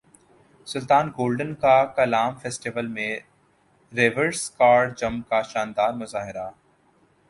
سلطان golden کا Kalam festival میں reverse car jump کا شاندار مظاہرہ